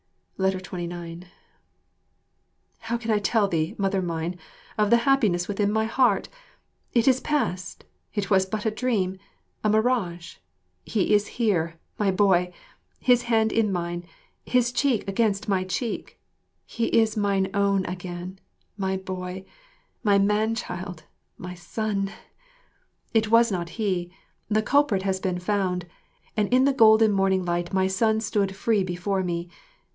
29 How can I tell thee, Mother mine, of the happiness within my heart! It is passed; it was but a dream, a mirage. He is here, my boy, his hand in mine, his cheek against my cheek; he is mine own again, my boy, my man child, my son. It was not he; the culprit has been found; and in the golden morning light my son stood free before me.